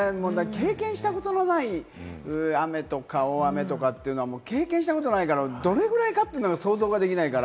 経験したことのない雨とか、大雨とかというのは経験したことないから、どれぐらいかというのが想像できないから。